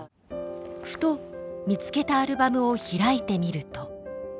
ふと見つけたアルバムを開いてみると。